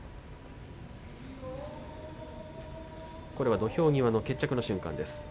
土俵際の決着の瞬間です。